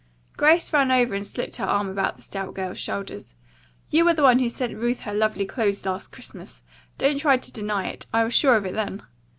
Grace ran over and slipped her arm about the stout girl's shoulders. "You are the one who sent Ruth her lovely clothes last Christmas. Don't try to deny it. I was sure of it then."